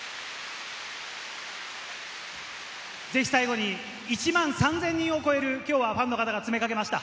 ぜひ最後に、１万３０００人を超える、きょうはファンの方が詰めかけました。